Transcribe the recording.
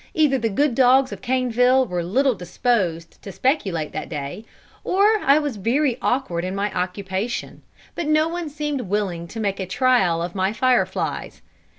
either the good dogs of Caneville were little disposed to speculate that day, or I was very awkward in my occupation, but no one seemed willing to make a trial of my "fire flies."